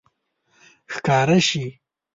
ښکاره شي